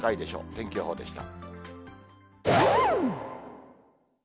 天気予報でした。